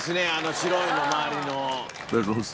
白いの周りの。